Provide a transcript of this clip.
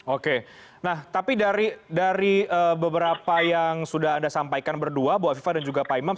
oke nah tapi dari beberapa yang sudah anda sampaikan berdua bu afifah dan juga pak imam